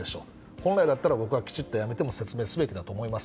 本来だったら僕は辞めてもきちっと説明すべきだと思います。